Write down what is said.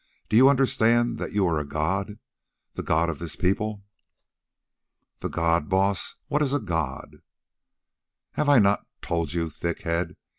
Do you understand that you are a god, the god of this people?" "The god, Baas? What is a god?" "Have I not told you, thickhead?